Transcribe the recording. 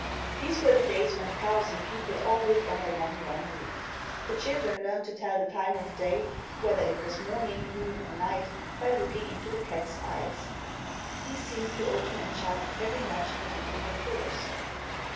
These were the days when cows and people all lived under one long roof. The children learned to tell the time of day, whether it was morning, noon or night by looking into the cats' eyes. These seemed to open and shut, very much as if they had doors.